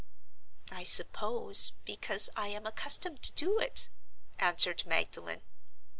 "I suppose, because I am accustomed to do it," answered Magdalen.